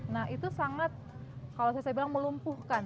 nah itu sangat kalau saya bilang melumpuhkan